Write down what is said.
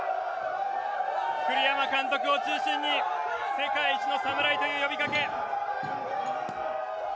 栗山監督を中心に世界一の侍という呼びかけ。